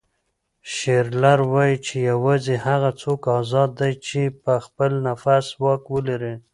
شیلر وایي چې یوازې هغه څوک ازاد دی چې په خپل نفس واک ولري.